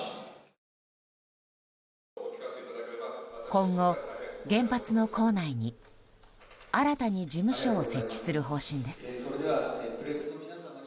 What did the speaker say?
今後、原発の構内に新たに事務所を設置する方針です。